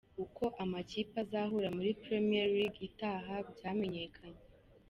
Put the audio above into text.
Uko amakipe azahura muri Premier League itaha byamenyekanye.